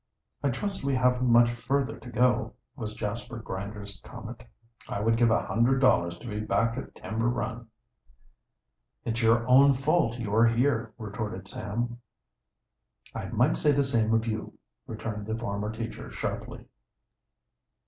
"I trust we haven't much further to go," was Jasper Grinder's comment. "I would give a hundred dollars to be back at Timber Run." "It's your own fault you are here," retorted Sam. "I might say the same of you," returned the former teacher sharply.